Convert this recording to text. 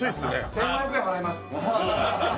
１，５００円払います。